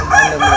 đặc biệt là